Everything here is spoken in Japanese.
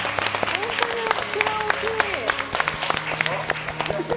本当に口が大きい。